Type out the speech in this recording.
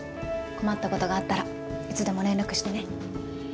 困った事があったらいつでも連絡してね。